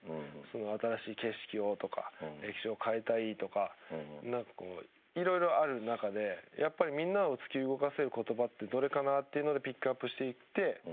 新しい景色をとか歴史を変えたいとか色々ある中でやっぱりみんなを突き動かせる言葉ってどれかなっていうのでピックアップしていって。